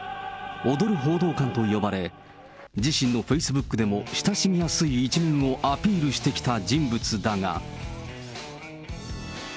踊る報道官と呼ばれ、自身のフェイスブックでも親しみやすい一面をアピールしてきた人物だが。